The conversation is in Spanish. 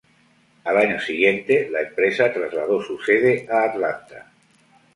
Al año siguiente, la empresa trasladó su sede a Atlanta.